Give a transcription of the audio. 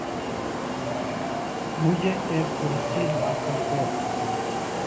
مجھے ایک کرسی لا کر دو